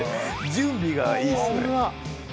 準備がいいっすね。